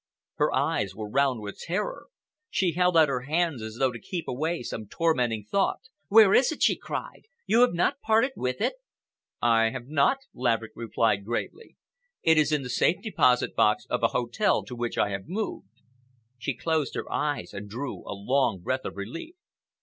Her eyes were round with terror. She held out her hands as though to keep away some tormenting thought. "Where is it?" she cried. "You have not parted with it? "I have not," Laverick replied gravely. "It is in the safe deposit of a hotel to which I have moved." She closed her eyes and drew a long breath of relief.